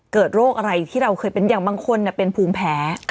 เกิดโรคอะไรที่เราเคยเป็นอย่างบางคนเป็นภูมิแพ้